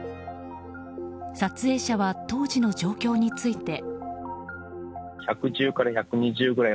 撮影者は当時の状況について。